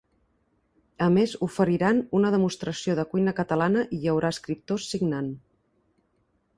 A més, oferiran una demostració de cuina catalana i hi haurà escriptors signant.